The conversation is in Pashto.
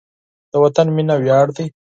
د وطن مینه ویاړ دی.